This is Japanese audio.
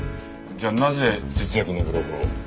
じゃあなぜ節約のブログを？